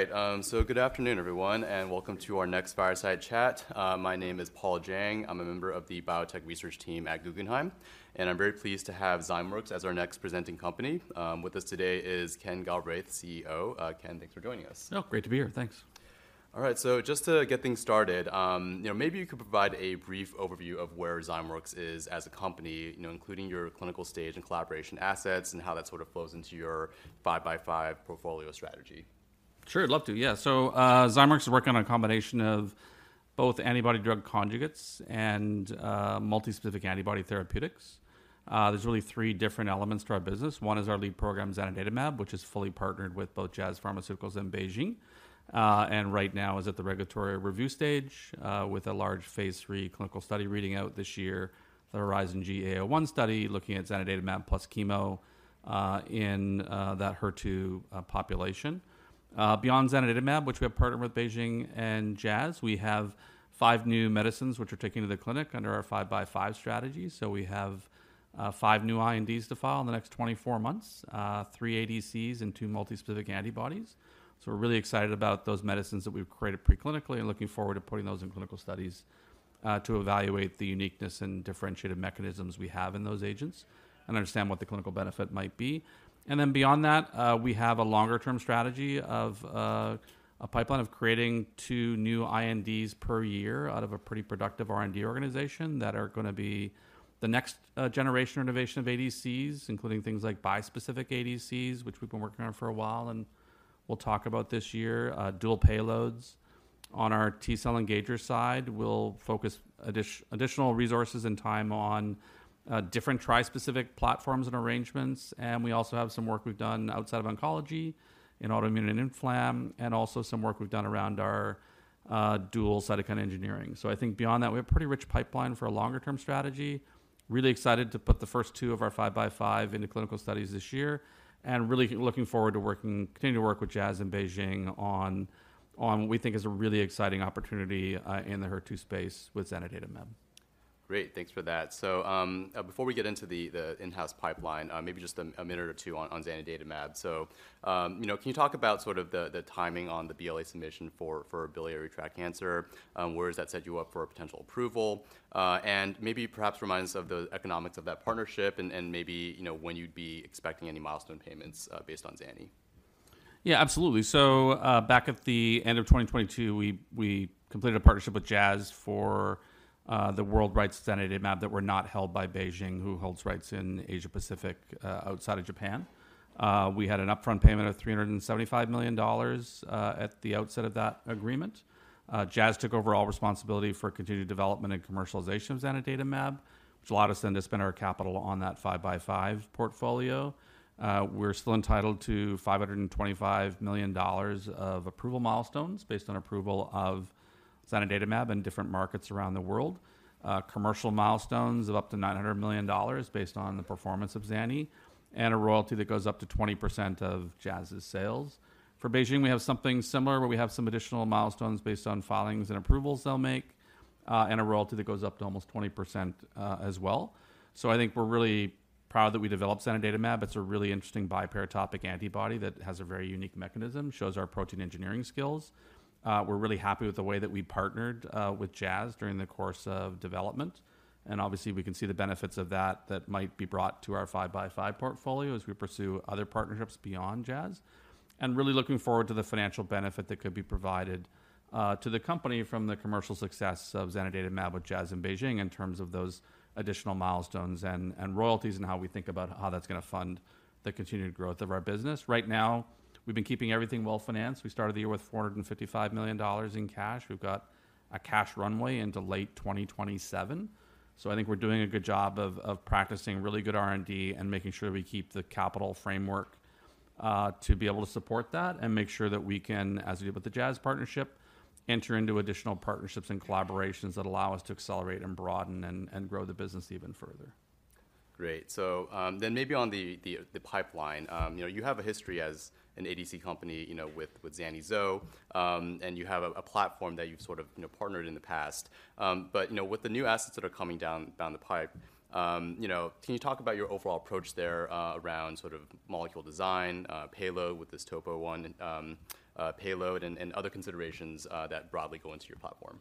All right, so good afternoon, everyone, and welcome to our next fireside chat. My name is Paul Jeng. I'm a member of the biotech research team at Guggenheim, and I'm very pleased to have Zymeworks as our next presenting company. With us today is Ken Galbraith, CEO. Ken, thanks for joining us. Oh, great to be here. Thanks. All right, so just to get things started, you know, maybe you could provide a brief overview of where Zymeworks is as a company, you know, including your clinical stage and collaboration assets, and how that sort of flows into your 5 by 5 portfolio strategy? Sure, I'd love to. Yeah. So, Zymeworks is working on a combination of both antibody drug conjugates and multispecific antibody therapeutics. There's really three different elements to our business. One is our lead program, zanidatamab, which is fully partnered with both Jazz Pharmaceuticals and BeiGene, and right now is at the regulatory review stage, with a large phase III clinical study reading out this year, the HERIZON-GEA-01 study, looking at zanidatamab plus chemo in that HER2 population. Beyond zanidatamab, which we have partnered with BeiGene and Jazz, we have five new medicines which we're taking to the clinic under our 5 by 5 strategy. So we have five new INDs to file in the next 24 months, three ADCs and two multispecific antibodies. So we're really excited about those medicines that we've created preclinically and looking forward to putting those in clinical studies to evaluate the uniqueness and differentiated mechanisms we have in those agents and understand what the clinical benefit might be. And then beyond that, we have a longer-term strategy of a pipeline of creating 2 new INDs per year out of a pretty productive R&D organization that are gonna be the next generation innovation of ADCs, including things like bispecific ADCs, which we've been working on for a while and we'll talk about this year. Dual payloads. On our T-cell engager side, we'll focus additional resources and time on different trispecific platforms and arrangements, and we also have some work we've done outside of oncology in autoimmune and inflammation, and also some work we've done around our dual cytokine engineering. I think beyond that, we have a pretty rich pipeline for a longer-term strategy. Really excited to put the first 2 of our 5 by 5 into clinical studies this year, and really looking forward to working, continuing to work with Jazz and BeiGene on what we think is a really exciting opportunity in the HER2 space with zanidatamab. Great, thanks for that. So, before we get into the in-house pipeline, maybe just a minute or two on zanidatamab. So, you know, can you talk about sort of the timing on the BLA submission for biliary tract cancer, where does that set you up for a potential approval? And maybe perhaps remind us of the economics of that partnership and, and maybe, you know, when you'd be expecting any milestone payments, based on zanidatamab. Yeah, absolutely. So, back at the end of 2022, we completed a partnership with Jazz for the world rights to zanidatamab that were not held by BeiGene, who holds rights in Asia-Pacific outside of Japan. We had an upfront payment of $375 million at the outset of that agreement. Jazz took over all responsibility for continued development and commercialization of zanidatamab, which allowed us then to spend our capital on that 5 by 5 portfolio. We're still entitled to $525 million of approval milestones based on approval of zanidatamab in different markets around the world, commercial milestones of up to $900 million based on the performance of zanidatamab, and a royalty that goes up to 20% of Jazz's sales. For BeiGene, we have something similar where we have some additional milestones based on filings and approvals they'll make, and a royalty that goes up to almost 20%, as well. So I think we're really proud that we developed zanidatamab. It's a really interesting biparatopic antibody that has a very unique mechanism, shows our protein engineering skills. We're really happy with the way that we partnered, with Jazz during the course of development, and obviously, we can see the benefits of that that might be brought to our 5 by 5 portfolio as we pursue other partnerships beyond Jazz. And really looking forward to the financial benefit that could be provided to the company from the commercial success of zanidatamab with Jazz in BeiGene, in terms of those additional milestones and royalties, and how we think about how that's gonna fund the continued growth of our business. Right now, we've been keeping everything well-financed. We started the year with $455 million in cash. We've got a cash runway into late 2027, so I think we're doing a good job of practicing really good R&D and making sure we keep the capital framework to be able to support that and make sure that we can, as we did with the Jazz partnership, enter into additional partnerships and collaborations that allow us to accelerate and broaden and grow the business even further. Great. So, then maybe on the pipeline, you know, you have a history as an ADC company, you know, with Zani-Zo, and you have a platform that you've sort of, you know, partnered in the past. But, you know, with the new assets that are coming down the pipe, you know, can you talk about your overall approach there, around sort of molecule design, payload with this topo I payload and other considerations that broadly go into your platform?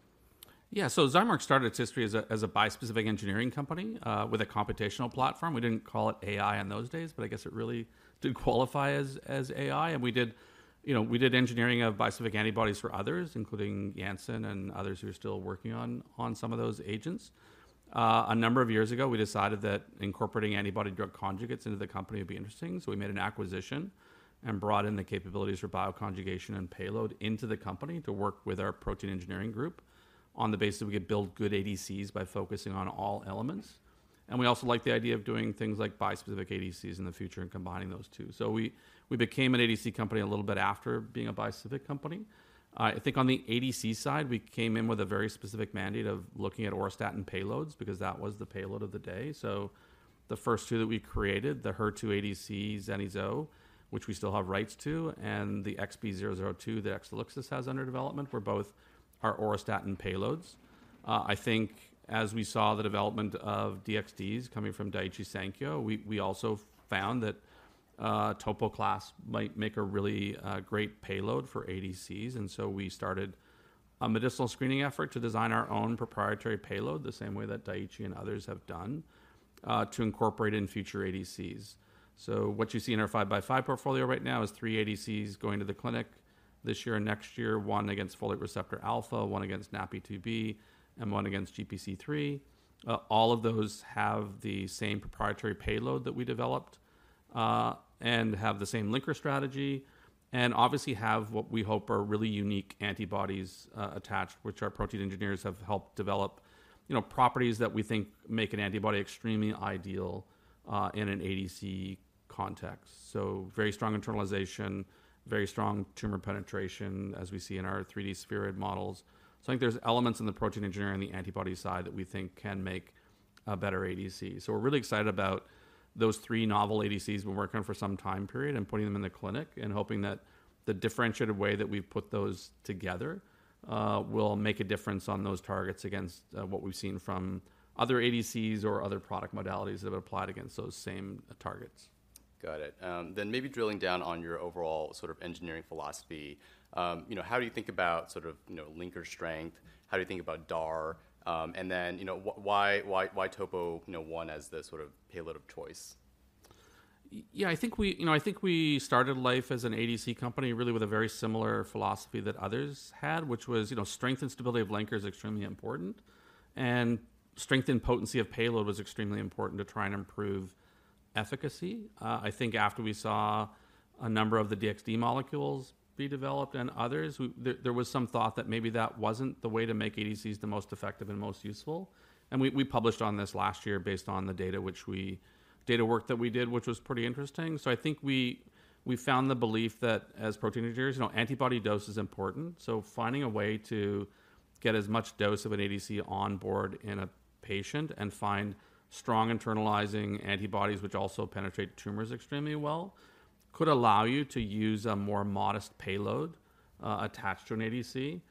Yeah. So Zymeworks started its history as a bispecific engineering company with a computational platform. We didn't call it AI in those days, but I guess it really did qualify as AI, and we did, you know, we did engineering of bispecific antibodies for others, including Janssen and others who are still working on some of those agents. A number of years ago, we decided that incorporating antibody-drug conjugates into the company would be interesting, so we made an acquisition and brought in the capabilities for bioconjugation and payload into the company to work with our protein engineering group on the basis that we could build good ADCs by focusing on all elements. And we also liked the idea of doing things like bispecific ADCs in the future and combining those two. So we, we became an ADC company a little bit after being a bispecific company. I think on the ADC side, we came in with a very specific mandate of looking at auristatin payloads, because that was the payload of the day. So the first two that we created, the HER2 ADC Zani-Zo, which we still have rights to, and the XB002 that Exelixis has under development, were both our auristatin payloads. I think as we saw the development of DXd coming from Daiichi Sankyo, we, we also found that, topo class might make a really, great payload for ADCs. And so we started a medicinal screening effort to design our own proprietary payload, the same way that Daiichi and others have done, to incorporate in future ADCs. So what you see in our 5 by 5 portfolio right now is 3 ADCs going to the clinic this year and next year, 1 against folate receptor alpha, 1 against NaPi2b, and 1 against GPC3. All of those have the same proprietary payload that we developed, and have the same linker strategy, and obviously have what we hope are really unique antibodies, attached, which our protein engineers have helped develop, you know, properties that we think make an antibody extremely ideal, in an ADC context. So very strong internalization, very strong tumor penetration, as we see in our 3D spheroid models. So I think there's elements in the protein engineering and the antibody side that we think can make a better ADC. We're really excited about those three novel ADCs we've been working on for some time period and putting them in the clinic and hoping that the differentiated way that we've put those together will make a difference on those targets against what we've seen from other ADCs or other product modalities that have applied against those same targets. Got it. Then maybe drilling down on your overall sort of engineering philosophy, you know, how do you think about sort of, you know, linker strength? How do you think about DAR? And then, you know, why, why, why topo, you know, one as the sort of payload of choice? Yeah, I think we, you know, I think we started life as an ADC company really with a very similar philosophy that others had, which was, you know, strength and stability of linker is extremely important, and strength and potency of payload was extremely important to try and improve efficacy. I think after we saw a number of the DXd molecules be developed and others, there was some thought that maybe that wasn't the way to make ADCs the most effective and most useful. And we published on this last year based on the data work that we did, which was pretty interesting. So I think we found the belief that as protein engineers, you know, antibody dose is important, so finding a way to get as much dose of an ADC on board in a patient and find strong internalizing antibodies, which also penetrate tumors extremely well, could allow you to use a more modest payload attached to an ADC,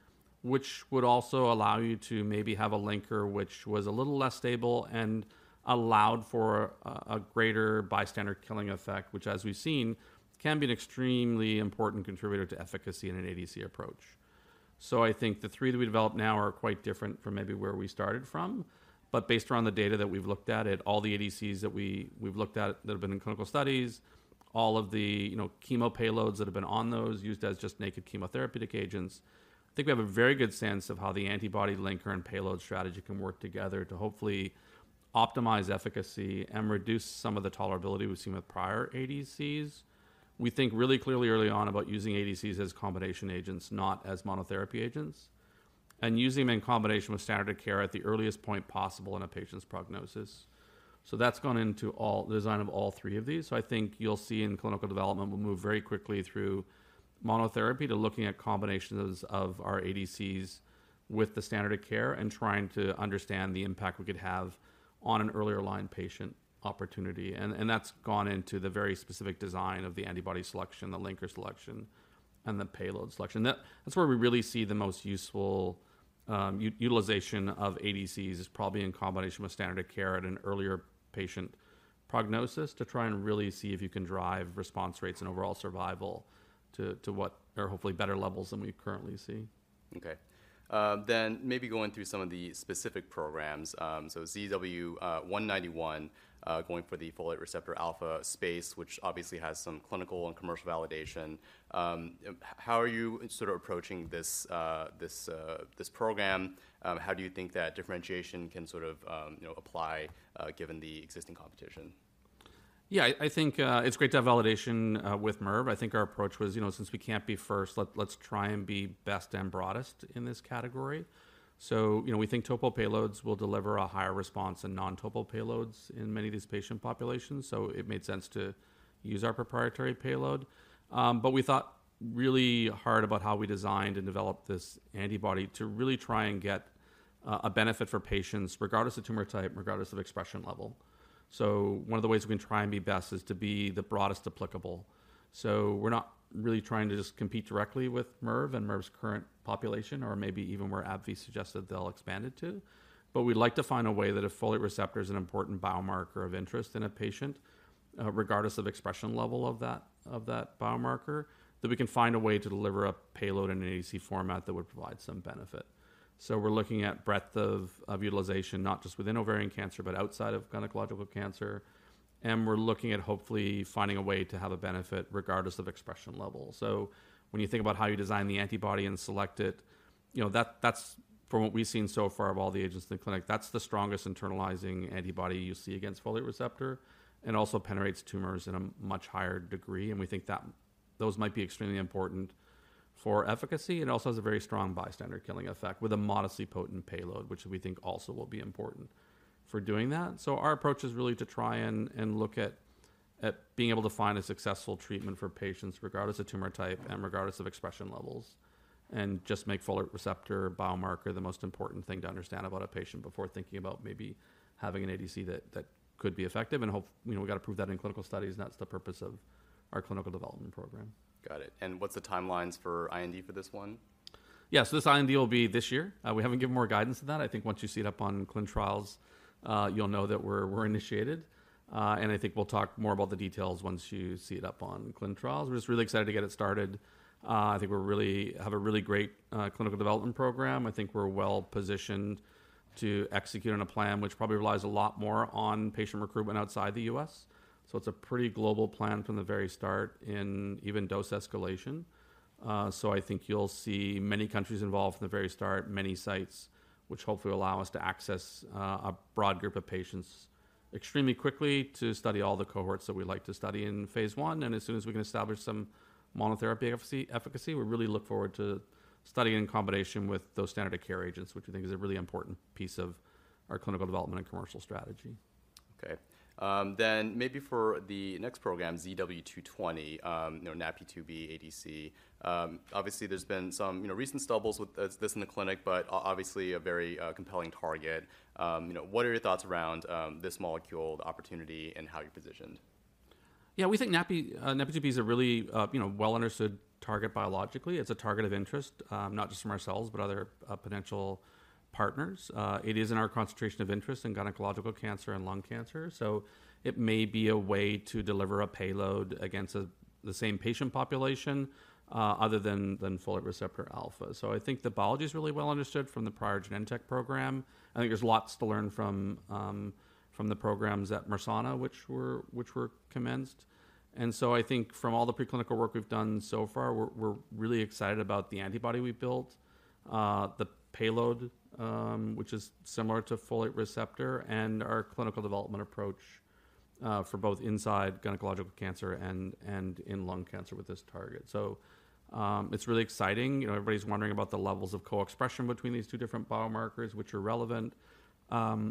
which would also allow you to maybe have a linker which was a little less stable and allowed for a greater bystander killing effect, which, as we've seen, can be an extremely important contributor to efficacy in an ADC approach. So I think the three that we developed now are quite different from maybe where we started from, but based around the data that we've looked at, at all the ADCs that we've looked at that have been in clinical studies, all of the, you know, chemo payloads that have been on those used as just naked chemotherapeutic agents. I think we have a very good sense of how the antibody linker and payload strategy can work together to hopefully optimize efficacy and reduce some of the tolerability we've seen with prior ADCs. We think really clearly early on about using ADCs as combination agents, not as monotherapy agents, and using them in combination with standard of care at the earliest point possible in a patient's prognosis. So that's gone into all the design of all three of these. So I think you'll see in clinical development, we'll move very quickly through monotherapy to looking at combinations of our ADCs with the standard of care and trying to understand the impact we could have on an earlier line patient opportunity. And that's gone into the very specific design of the antibody selection, the linker selection, and the payload selection. That's where we really see the most useful utilization of ADCs, is probably in combination with standard of care at an earlier patient prognosis, to try and really see if you can drive response rates and overall survival to what are hopefully better levels than we currently see. Okay. Then maybe going through some of the specific programs. So ZW191 going for the folate receptor alpha space, which obviously has some clinical and commercial validation. How are you sort of approaching this program? How do you think that differentiation can sort of, you know, apply given the existing competition? Yeah, I think, it's great to have validation with Mirv. I think our approach was, you know, since we can't be first, let's try and be best and broadest in this category. So, you know, we think topo payloads will deliver a higher response than non-topo payloads in many of these patient populations, so it made sense to use our proprietary payload. But we thought really hard about how we designed and developed this antibody to really try and get a benefit for patients, regardless of tumor type, regardless of expression level. So one of the ways we can try and be best is to be the broadest applicable. So we're not really trying to just compete directly with Mirv and Mirv's current population or maybe even where AbbVie suggested they'll expand it to, but we'd like to find a way that a folate receptor is an important biomarker of interest in a patient, regardless of expression level of that biomarker, that we can find a way to deliver a payload in an ADC format that would provide some benefit. So we're looking at breadth of utilization, not just within ovarian cancer, but outside of gynecological cancer. And we're looking at hopefully finding a way to have a benefit regardless of expression level. So when you think about how you design the antibody and select it, you know, that's from what we've seen so far of all the agents in the clinic, that's the strongest internalizing antibody you see against folate receptor and also penetrates tumors in a much higher degree, and we think that those might be extremely important for efficacy. It also has a very strong bystander killing effect with a modestly potent payload, which we think also will be important for doing that. So our approach is really to try and look at being able to find a successful treatment for patients, regardless of tumor type and regardless of expression levels, and just make folate receptor biomarker the most important thing to understand about a patient before thinking about maybe having an ADC that could be effective, you know, we got to prove that in clinical studies, and that's the purpose of our clinical development program. Got it. And what's the timelines for IND for this one? Yeah, so this IND will be this year. We haven't given more guidance to that. I think once you see it up on clinical trials, you'll know that we're initiated. And I think we'll talk more about the details once you see it up on clin trials. We're just really excited to get it started. I think we have a really great clinical development program. I think we're well-positioned to execute on a plan, which probably relies a lot more on patient recruitment outside the U.S. So it's a pretty global plan from the very start in even dose escalation. So I think you'll see many countries involved from the very start, many sites, which hopefully will allow us to access a broad group of patients extremely quickly to study all the cohorts that we like to study in phase I. As soon as we can establish some monotherapy efficacy, we really look forward to studying in combination with those standard of care agents, which we think is a really important piece of our clinical development and commercial strategy. Okay. Then maybe for the next program, ZW220, you know, NaPi2b ADC. Obviously, there's been some, you know, recent stumbles with this in the clinic, but obviously a very compelling target. You know, what are your thoughts around this molecule, the opportunity, and how you're positioned? Yeah, we think NaPi2b is a really, you know, well-understood target biologically. It's a target of interest, not just from ourselves, but other potential partners. It is in our concentration of interest in gynecological cancer and lung cancer, so it may be a way to deliver a payload against the same patient population, other than folate receptor alpha. So I think the biology is really well understood from the prior Genentech program. I think there's lots to learn from the programs at Mersana, which were commenced. And so I think from all the preclinical work we've done so far, we're really excited about the antibody we built, the payload, which is similar to folate receptor, and our clinical development approach, for both inside gynecological cancer and in lung cancer with this target. So, it's really exciting. You know, everybody's wondering about the levels of co-expression between these two different biomarkers, which are relevant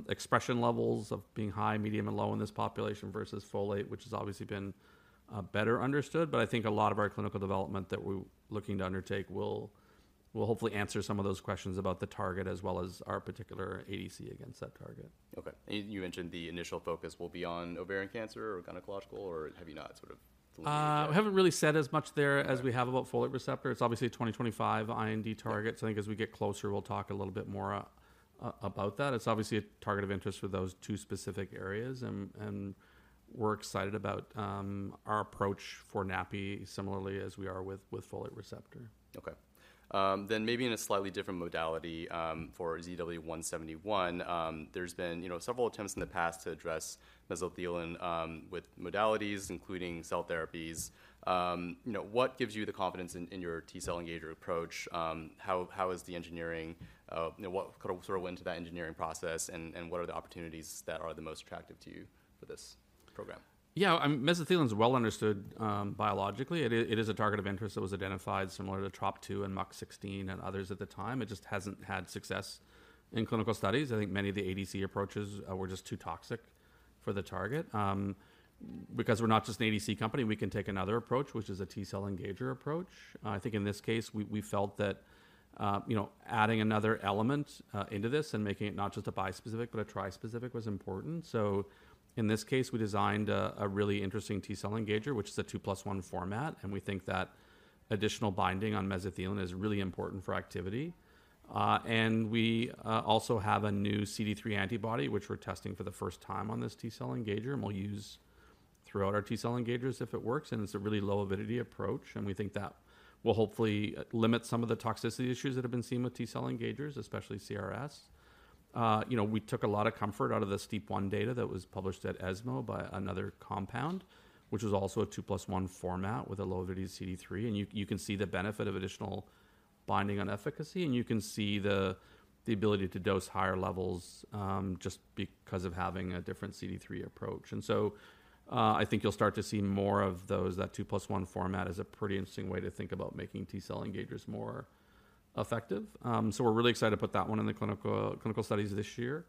expression levels of being high, medium, and low in this population versus folate, which has obviously been better understood. But I think a lot of our clinical development that we're looking to undertake will hopefully answer some of those questions about the target, as well as our particular ADC against that target. Okay. You mentioned the initial focus will be on ovarian cancer or gynecological, or have you not sort of believed yet? I haven't really said as much there as we have about folate receptor. It's obviously a 2025 IND target, so I think as we get closer, we'll talk a little bit more about that. It's obviously a target of interest for those two specific areas, and we're excited about our approach for NaPi2b, similarly as we are with folate receptor. Okay. Then maybe in a slightly different modality, for ZW171, there's been, you know, several attempts in the past to address mesothelin, with modalities, including cell therapies. You know, what gives you the confidence in your T-cell engager approach? How is the engineering, you know, what sort of went to that engineering process, and what are the opportunities that are the most attractive to you for this program? Yeah, mesothelin is well understood biologically. It is a target of interest that was identified similar to Trop-2 and MUC16 and others at the time. It just hasn't had success in clinical studies. I think many of the ADC approaches were just too toxic for the target. Because we're not just an ADC company, we can take another approach, which is a T-cell engager approach. I think in this case, we felt that, you know, adding another element into this and making it not just a bispecific, but a trispecific, was important. So in this case, we designed a really interesting T-cell engager, which is a 2+1 format, and we think that additional binding on mesothelin is really important for activity. We also have a new CD3 antibody, which we're testing for the first time on this T-cell engager, and we'll use throughout our T-cell engagers if it works, and it's a really low avidity approach and we think that will hopefully limit some of the toxicity issues that have been seen with T-cell engagers, especially CRS. You know, we took a lot of comfort out of the step-up data that was published at ESMO by another compound, which is also a two plus one format with a low avidity CD3. You can see the benefit of additional binding on efficacy, and you can see the ability to dose higher levels, just because of having a different CD3 approach. So, I think you'll start to see more of those that two plus one format is a pretty interesting way to think about making T-cell engagers more effective. So we're really excited to put that one in the clinical studies this year,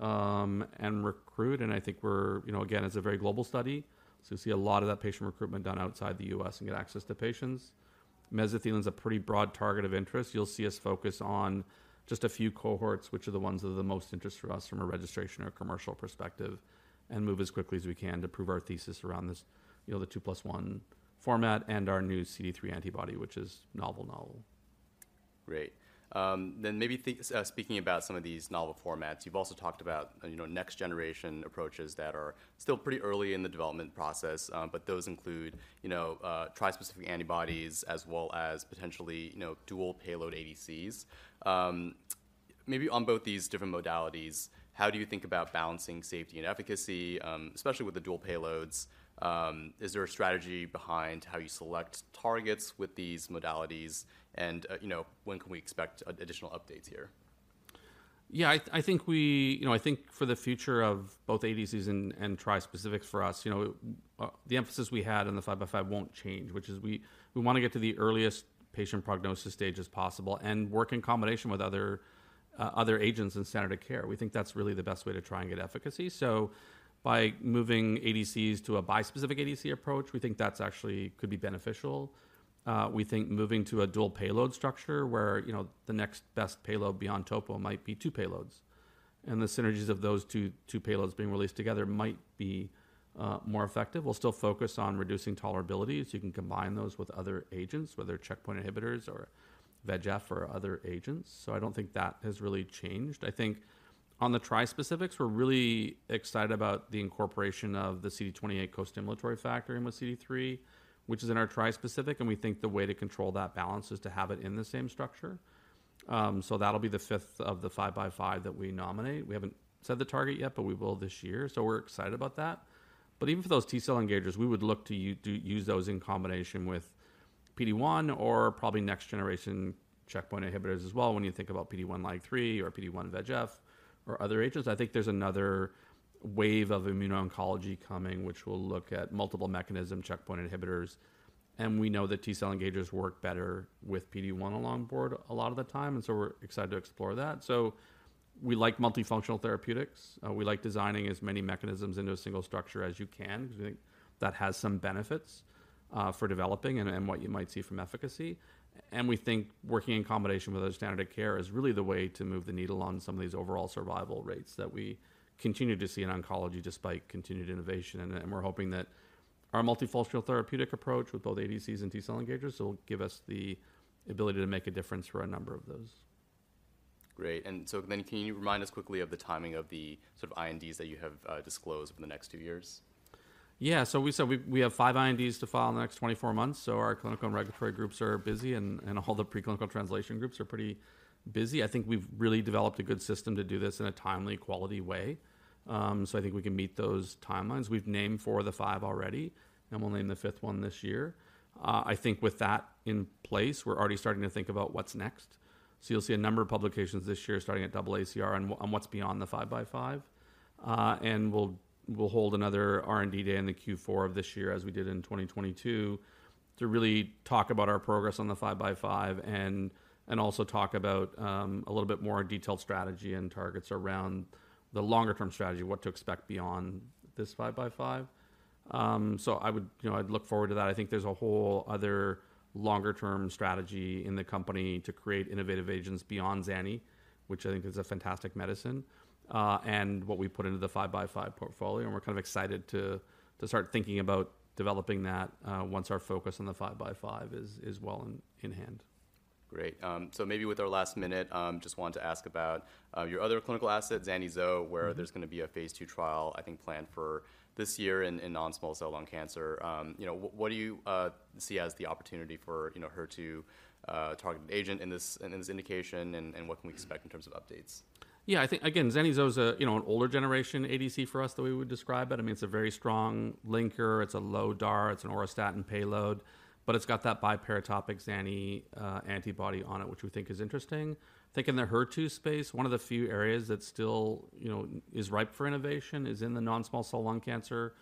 and recruit, and I think we're, you know, again, it's a very global study, so you see a lot of that patient recruitment done outside the U.S. and get access to patients. Mesothelin is a pretty broad target of interest. You'll see us focus on just a few cohorts, which are the ones that are the most interest for us from a registration or commercial perspective, and move as quickly as we can to prove our thesis around this, you know, the two plus one format and our new CD3 antibody, which is novel. Great. Then maybe speaking about some of these novel formats, you've also talked about, you know, next-generation approaches that are still pretty early in the development process, but those include, you know, trispecific antibodies, as well as potentially, you know, dual payload ADCs. Maybe on both these different modalities, how do you think about balancing safety and efficacy, especially with the dual payloads? Is there a strategy behind how you select targets with these modalities, and, you know, when can we expect additional updates here? Yeah, I think, you know, I think for the future of both ADCs and trispecifics for us, you know, the emphasis we had on the 5 by 5 won't change, which is we wanna get to the earliest patient prognosis stage as possible and work in combination with other agents in standard of care. We think that's really the best way to try and get efficacy. So by moving ADCs to a bispecific ADC approach, we think that's actually could be beneficial. We think moving to a dual payload structure, where, you know, the next best payload beyond topo might be 2 payloads, and the synergies of those 2 payloads being released together might be more effective. We'll still focus on reducing tolerability, so you can combine those with other agents, whether checkpoint inhibitors or VEGF or other agents. So I don't think that has really changed. I think on the trispecifics, we're really excited about the incorporation of the CD28 costimulatory factor in with CD3, which is in our trispecific, and we think the way to control that balance is to have it in the same structure. So that'll be the fifth of the 5 by 5 that we nominate. We haven't set the target yet, but we will this year, so we're excited about that. But even for those T-cell engagers, we would look to to use those in combination with PD-1 or probably next-generation checkpoint inhibitors as well, when you think about PD-1 LAG-3 or PD-1 VEGF or other agents. I think there's another wave of immuno-oncology coming, which will look at multiple mechanism checkpoint inhibitors, and we know that T-cell engagers work better with PD-1 blockade a lot of the time, and so we're excited to explore that. So we like multifunctional therapeutics. We like designing as many mechanisms into a single structure as you can. We think that has some benefits for developing and what you might see from efficacy. And we're hoping that our multifunctional therapeutic approach with both ADCs and T-cell engagers will give us the ability to make a difference for a number of those. Great. And so then, can you remind us quickly of the timing of the sort of INDs that you have disclosed for the next two years? Yeah. So we said we have 5 INDs to file in the next 24 months, so our clinical and regulatory groups are busy and all the preclinical translation groups are pretty busy. I think we've really developed a good system to do this in a timely, quality way. So I think we can meet those timelines. We've named 4 of the 5 already, and we'll name the 5th one this year. I think with that in place, we're already starting to think about what's next. So you'll see a number of publications this year starting at AACR on what's beyond the 5 by 5. And we'll hold another R&D day in the Q4 of this year, as we did in 2022, to really talk about our progress on the 5 by 5 and also talk about a little bit more detailed strategy and targets around the longer-term strategy, what to expect beyond this 5 by 5. So I would, you know, I'd look forward to that. I think there's a whole other longer-term strategy in the company to create innovative agents beyond Zani, which I think is a fantastic medicine, and what we put into the 5 by 5 portfolio, and we're kind of excited to start thinking about developing that, once our focus on the 5 by 5 is well in hand. Great. So maybe with our last minute, just wanted to ask about your other clinical assets, Zani-Zo, where there's going to be a phase 2 trial, I think, planned for this year in non-small cell lung cancer. You know, what do you see as the opportunity for, you know, HER2 targeted agent in this indication, and what can we expect in terms of updates? Yeah, I think, again, Zani-Zo is a, you know, an older generation ADC for us, that we would describe it. I mean, it's a very strong linker, it's a low DAR, it's an auristatin payload, but it's got that biparatopic Zani antibody on it, which we think is interesting. I think in the HER2 space, one of the few areas that still, you know, is ripe for innovation is in the non-small cell lung cancer,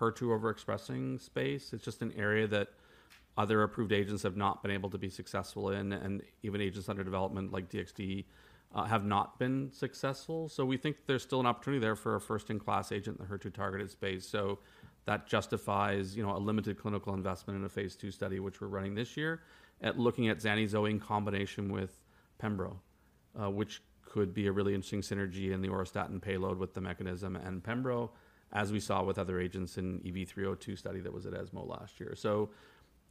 HER2 overexpressing space. It's just an area that other approved agents have not been able to be successful in, and even agents under development like DXd have not been successful. So we think there's still an opportunity there for a first-in-class agent in the HER2-targeted space. So that justifies, you know, a limited clinical investment in a phase 2 study, which we're running this year, at looking at Zani-Zo in combination with Pembro, which could be a really interesting synergy in the auristatin payload with the mechanism and Pembro, as we saw with other agents in EV-302 study that was at ESMO last year. So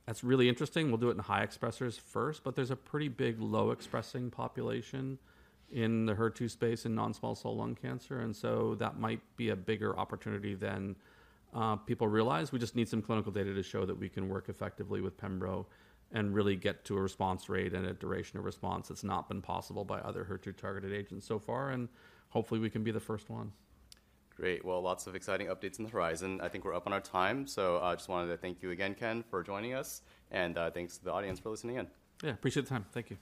that's really interesting. We'll do it in high expressers first, but there's a pretty big low-expressing population in the HER2 space in non-small cell lung cancer, and so that might be a bigger opportunity than people realize. We just need some clinical data to show that we can work effectively with Pembro and really get to a response rate and a duration of response that's not been possible by other HER2-targeted agents so far, and hopefully, we can be the first one. Great. Well, lots of exciting updates on the horizon. I think we're up on our time, so I just wanted to thank you again, Ken, for joining us, and thanks to the audience for listening in. Yeah. Appreciate the time. Thank you.